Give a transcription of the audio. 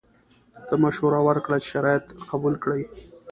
ده مشوره ورکړه چې شرایط قبول کړي.